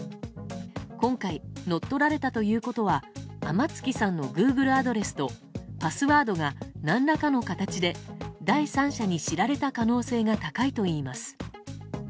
今回、乗っ取られたということは天月さんのグーグルアドレスとパスワードが何らかの形で第三者に知られた可能性が高いといいます。